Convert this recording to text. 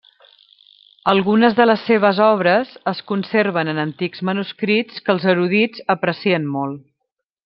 Algunes de les seves obres es conserven en antics manuscrits que els erudits aprecien molt.